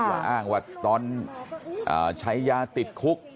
ว่าอ้างว่าตอนใช้ยาติดคุก